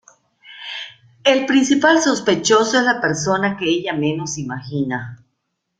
El principal sospechoso es la persona que ella menos imagina.